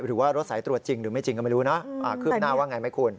หรือว่ารถสายตรวจจริงหรือไม่จริงก็ไม่รู้นะคืบหน้าว่าไงไหมคุณ